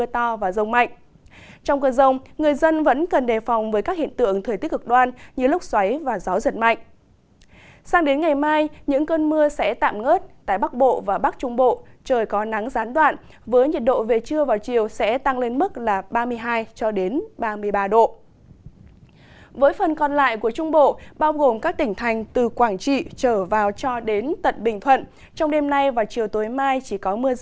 trong đêm nay và chiều tối mai chỉ có mưa rông ở một vài nơi